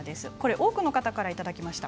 多くの方からいただきました。